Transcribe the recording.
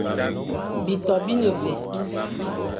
Bitô bi ne mvè,